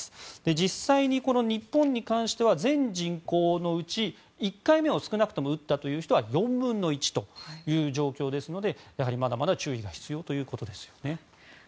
実際に日本に関しては全人口のうち１回目を打った人は少なくとも４分の１という状況ですのでまだまだ注意が必要ということです。